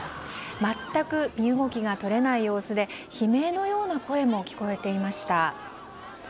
全く身動きがとれない様子で悲鳴のような声も聞こえていました。